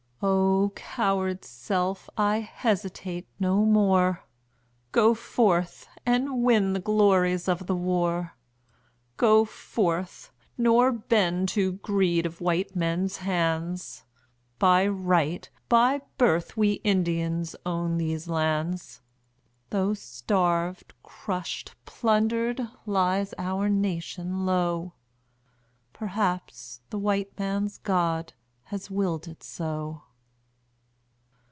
O! coward self I hesitate no more; Go forth, and win the glories of the war. Go forth, nor bend to greed of white men's hands, By right, by birth we Indians own these lands, Though starved, crushed, plundered, lies our nation low... Perhaps the white man's God has willed it so.